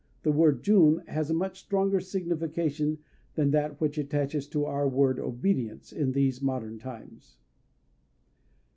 The word jun has a much stronger signification than that which attaches to our word "obedience" in these modern times.